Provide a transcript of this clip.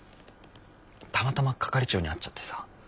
たまたま係長に会っちゃってさ。